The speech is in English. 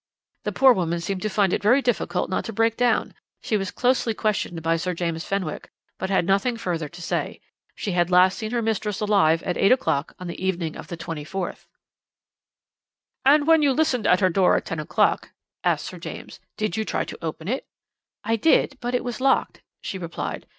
"The poor woman seemed to find it very difficult not to break down. She was closely questioned by Sir James Fenwick, but had nothing further to say. She had last seen her mistress alive at eight o'clock on the evening of the 24th. "'And when you listened at her door at ten o'clock,' asked Sir James, 'did you try to open it?' "'I did, but it was locked,' she replied.